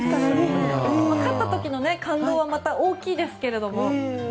勝った時の感動はまた大きいですけども。